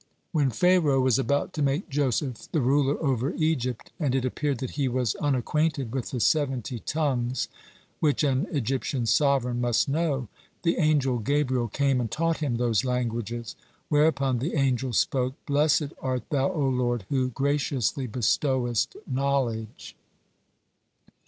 When Pharaoh was about to make Joseph the ruler over Egypt, and it appeared that he was unacquainted with the seventy tongues which an Egyptian sovereign must know, the angel Gabriel came and taught him those languages, whereupon the angels spoke: "Blessed art Thou, O Lord, who graciously bestowest knowledge."